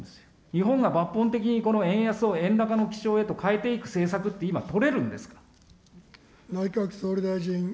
日本が抜本的に、この円安を円高の基調へと変えていく政策って今、取れるんですか。